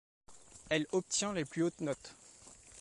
Elle obtient les plus hautes notes.